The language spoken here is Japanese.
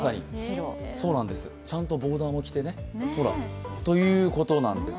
ちゃんとボーダーも着てね、ほらということで。